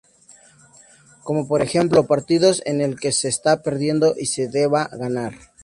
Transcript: Como por ejemplo, partidos en el que se este perdiendo y se deba ganar.